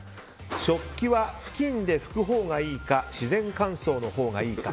食器はふきんで拭くほうがいいか自然乾燥のほうがいいか。